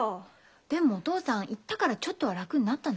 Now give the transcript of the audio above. でもお父さん言ったからちょっとは楽になったのよ。